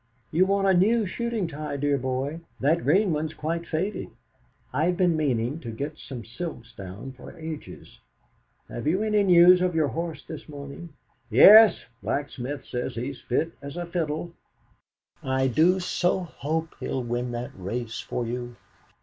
You want a new shooting tie, dear boy; that green one's quite faded. I've been meaning to get some silks down for ages. Have you had any news of your horse this morning?" "Yes, Blacksmith says he's fit as a fiddle." "I do so hope he'll win that race for you.